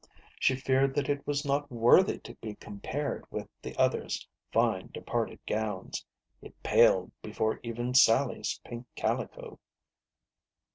She feared that it was not worthy to be com pared with the others' fine departed gowns ; it paled before even Sally's pink calico.